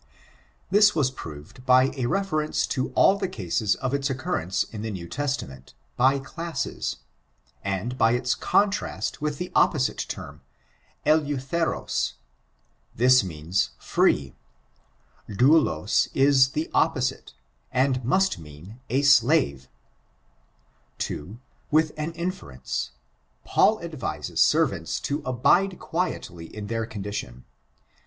This was prr>ved by a reference to all the cases of its occurrence in the New Testament, by classes; and by its contrast with the opposite term, deutheros — ^this means free ; douhs is the opposite, and must mean a slave, II. With an inference. Paul advises servants to abide quietly in their condition.